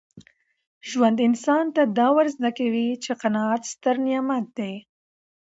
ژوند انسان ته دا ور زده کوي چي قناعت ستر نعمت دی.